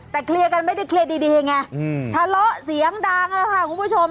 แต่เคลียร์กันไม่ได้เคลียร์ดีไงทะเลาะเสียงดังค่ะคุณผู้ชม